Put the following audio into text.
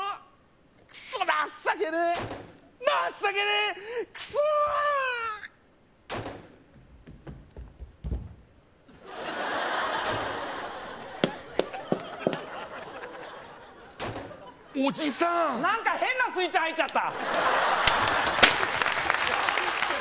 クソ情けねえ情けねえクソおじさんなんか変なスイッチ入っちゃった